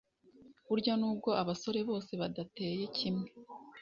Burya n'ubwo abasore bose badateye kimwe,